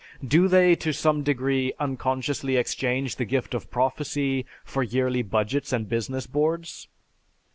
Do they to some degree unconsciously exchange the gift of prophecy for yearly budgets and business boards?"